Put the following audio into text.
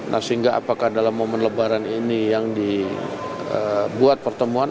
nah sehingga apakah dalam momen lebaran ini yang dibuat pertemuan